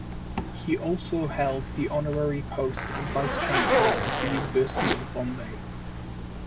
He also held the honorary post of Vice Chancellor of the University of Bombay.